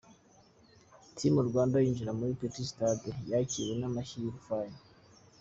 Team Rwanda yinjira muri Petit Stade yakiriwe n’amashyi y’urufaya